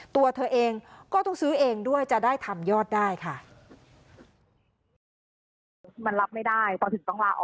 ตัวเธอเองก็ต้องซื้อเองด้วยจะได้ทำยอดได้ค่ะ